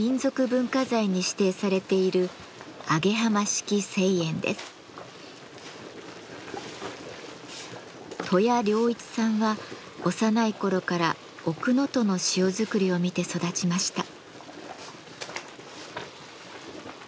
文化財に指定されている登谷良一さんは幼い頃から奥能登の塩作りを見て育ちました。